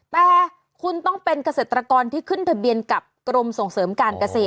แต่คุณต้องเป็นเกษตรกรที่ขึ้นทะเบียนกับกรมส่งเสริมการเกษตร